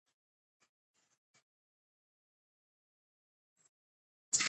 که څټک وي نو میخ نه پاتې کیږي.